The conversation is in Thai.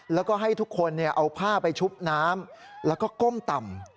แล้วก็ให้ทุกคนเอาผ้าไปชุบน้ำแล้วก็ก้มต่ำ